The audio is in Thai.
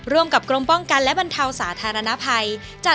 ร่วมกับกรมป้องกันและบรรเทาสาธารณภัย